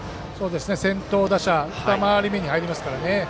先頭打者２回り目に入りましたから。